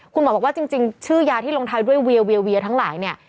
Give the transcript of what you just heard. คุณหมอบอกว่าจริงชื่อยาที่ลงท้ายด้วยเวียทั้งหลายเนี่ย